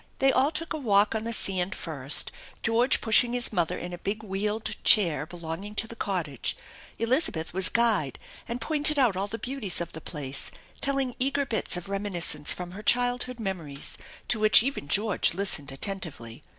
They all took a walk on the sand first, George pushing his mother in a big wheeled chair belonging to the cottage. Elizabeth was guide and pointed out all the beauties of the place, telling eager bits of reminiscence from her childhood memories to which even George listened attentively.